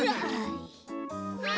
はい。